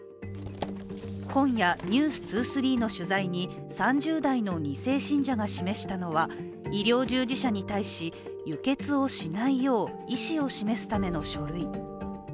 今夜「ｎｅｗｓ２３」の取材に３０代の２世信者が示したのは医療従事者に対し、輸血をしないよう意志を示すための書類。